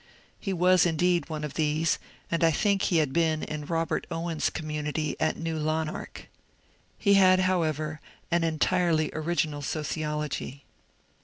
He was indeed one of these, and I think had been in Robert Owen's community at New Lanark. He had, however, an entirely original sociology.